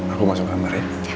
aku masuk kamar ya